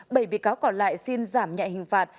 bảy bị cáo còn lại xin giảm nhạy hình phạt